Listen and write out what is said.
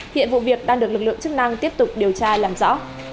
hiện vụ việc đang được lực lượng chức năng tiếp tục điều tra làm rõ